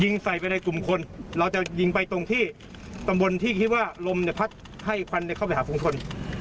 ใส่ไปในกลุ่มคนเราจะยิงไปตรงที่ตำบลที่คิดว่าลมเนี่ยพัดให้ควันเข้าไปหาฝุงชน